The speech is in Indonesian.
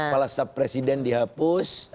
kepala staf presiden dihapus